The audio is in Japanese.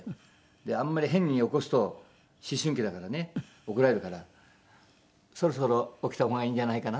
あんまり変に起こすと思春期だからね怒られるから「そろそろ起きた方がいいんじゃないかな」。